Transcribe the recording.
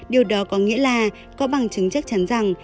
điều đó có nghĩa là có bằng chứng chắc chắn rằng